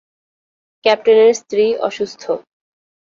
ক্যাপ্টেনের স্ত্রী অসুস্থ।